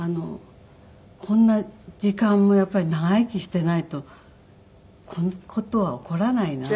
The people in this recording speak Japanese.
こんな時間もやっぱり長生きしていないとこんな事は起こらないなって。